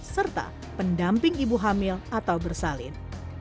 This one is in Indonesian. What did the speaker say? serta pendamping ibu hamil atau bersalin